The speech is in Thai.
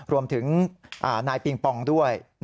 รวมถึงนายปิงปองด้วย